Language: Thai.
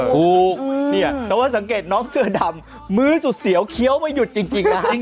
ถูกเนี่ยแต่ว่าสังเกตน้องเสื้อดำมื้อสุดเสียวเคี้ยวไม่หยุดจริงนะฮะ